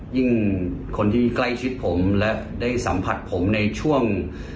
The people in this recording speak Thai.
คนที่ใกล้ชิดผมและได้สัมผัสผมในช่วง